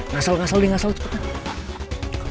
ngasel ngasel ngasel cepetan